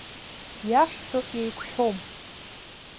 Иаҳҳәо еиқәшәом.